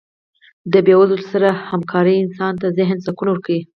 د بې وزلو سره هکاري انسان ته ذهني سکون ورکوي.